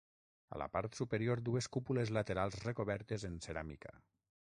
A la part superior dues cúpules laterals recobertes en ceràmica.